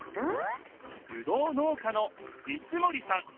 ぶどう農家の三森さん。